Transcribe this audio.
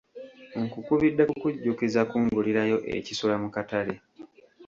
Nkukubidde kukujjukiza kungulirayo ekisula mu katale.